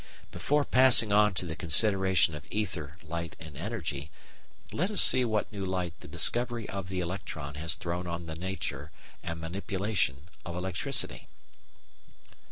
Before passing on to the consideration of ether, light, and energy, let us see what new light the discovery of the electron has thrown on the nature and manipulation of electricity.